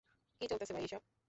কি চলতেছে ভাই এইসব?